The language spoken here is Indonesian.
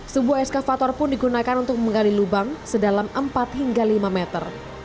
sebuah eskavator pun digunakan untuk menggali lubang sedalam empat hingga lima meter